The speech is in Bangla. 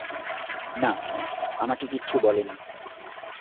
না, আমাকে কিচ্ছু বলেনি।